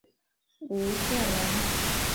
吴县人。